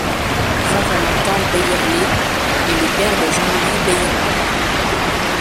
Jean-Valentin Beyerlé est le père de Jean-Louis Beyerlé.